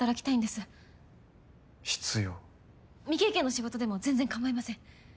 未経験の仕事でも全然かまいません。